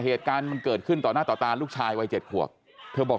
เหตุการณ์มันเกิดขึ้นต่อหน้าต่อตาลูกชายวัยเจ็ดขวบเธอบอก